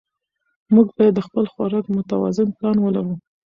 موږ باید د خپل خوراک متوازن پلان ولرو